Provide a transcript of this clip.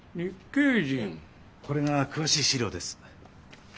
これが詳しい資料です。